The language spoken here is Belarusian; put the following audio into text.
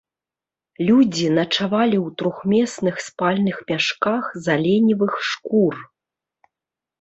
Людзі начавалі ў трохмесных спальных мяшках з аленевых шкур.